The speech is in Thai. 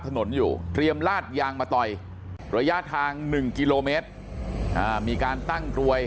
ถนนอยู่เตรียมลาดยางมาต่อยระยะทาง๑กิโลเมตรอ่ามีการตั้งกรวย